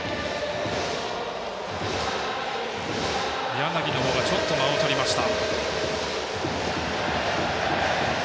柳の方がちょっと間をとりました。